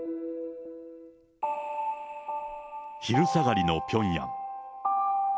昼下がりのピョンヤン。